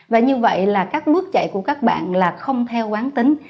và như vậy là các bước chạy của các bạn là không theo quán tính